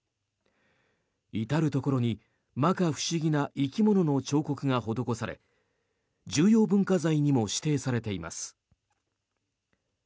至るところに摩訶不思議な生き物の彫刻が施され重要文化財にも指定されています。